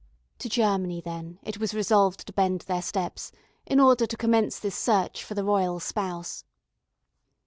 To Germany, then, it was resolved to bend their steps, in order to commence this search for the royal spouse.